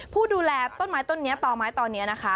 ผู้ดูแลต้นไม้ต้นนี้ต่อไม้ตอนนี้นะคะ